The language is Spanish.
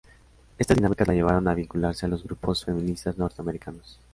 Estas dinámicas la llevaron a vincularse a los grupos feministas norteamericanos.